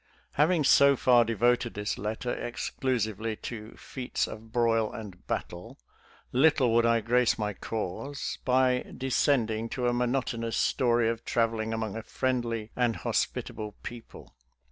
Having so far devoted this letter exclusively to " feats of broil and battle," "little would I grace my cause " by descending to a monotonous story of traveling among a friendly and hospitable peo ple.